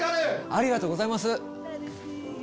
ありがとうございます。